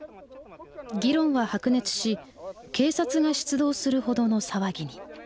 議論は白熱し警察が出動するほどの騒ぎに。